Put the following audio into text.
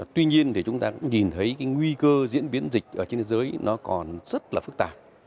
tuy nhiên chúng ta nhìn thấy nguy cơ diễn biến dịch trên thế giới còn rất phức tạp